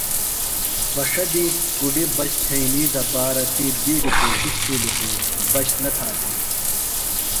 بݜہ دی کُڈیۡ بچ تھئینی دپارہ تی بِیڈیۡ کوشِش تِھیلیۡ خُو بچ نہ تھا بھیلِم۔